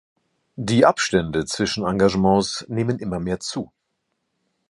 Die Abständen zwischen Engagements nahmen immer mehr zu.